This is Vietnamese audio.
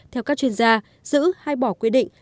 theo các chuyên gia giữ hay bỏ quy định